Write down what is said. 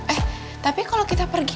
eh tapi kalau kita pergi